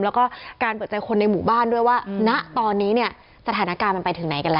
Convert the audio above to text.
แล้วก็การเปิดใจคนในหมู่บ้านด้วยว่าณตอนนี้เนี่ยสถานการณ์มันไปถึงไหนกันแล้ว